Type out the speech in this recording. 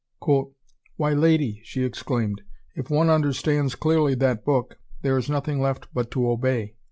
"Why, lady," she exclaimed, "if one understands clearly that Book, there is nothing left but to obey!"